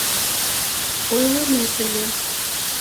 Ойлынет ыле.